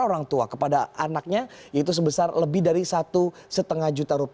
orang tua kepada anaknya yaitu sebesar lebih dari rp satu lima juta